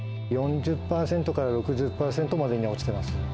４０％から６０％まで落ちてます。